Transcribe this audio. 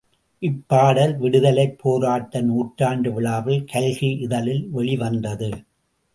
இப்பாடல் விடுதலைப் போராட்ட நூற்றாண்டு விழாவில் கல்கி இதழில் வெளிவந்தது.